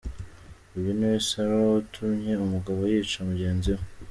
Uyu niwe Sarah watumye umugabo yica mugenzi we.